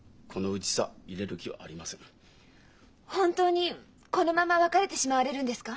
本当にこのまま別れてしまわれるんですか？